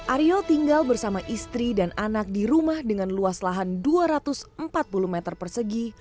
aryo tinggal bersama istri dan anak di rumah dengan luas lahan dua ratus empat puluh meter persegi